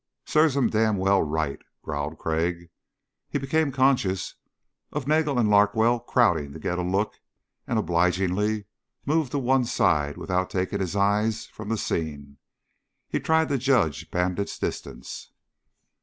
"Serves 'em damn well right," growled Crag. He became conscious of Nagel and Larkwell crowding to get a look and obligingly moved to one side without taking his eyes from the scene. He tried to judge Bandit's distance.